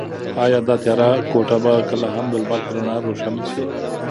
ایا دا تیاره کوټه به کله هم د لمر په رڼا روښانه شي؟